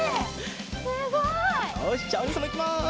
すごい！よしじゃあおにいさんもいきます。